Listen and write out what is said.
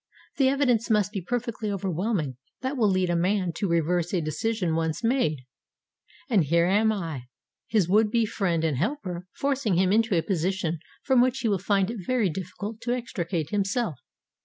The evidence must be perfectly overwhelming that will lead a man to reverse a decision once made. And here am I, his would be friend and helper, forcing him into a position from which he will find it very difficult to extricate himself.